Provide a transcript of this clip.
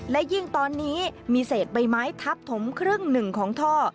และยิ่งตอนนี้มีเศษใบไม้ทับถมครึ่งหนึ่งของท่อ